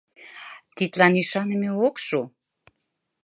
Тидлан ӱшаныме ок шу.